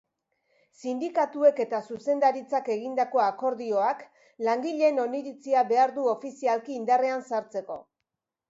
Sindikatuek eta zuzendaritzak egindako akordioak langileen oniritzia behar du ofizialki indarrean sartzeko.